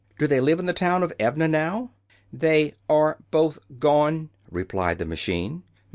"Do they live in the town of Evna now?" "They are both gone," replied the machine.